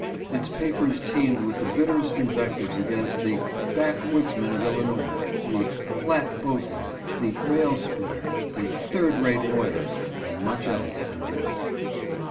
Its papers teemed with the bitterest invectives against the " backwoodsman of Illinois," the " flat boatman," the " rail splitter," the " third rate law yer," and much else and worse.